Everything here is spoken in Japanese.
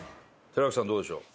寺脇さんどうでしょう？